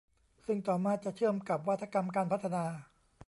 ซึ่งต่อมาจะเชื่อมกับวาทกรรมการพัฒนา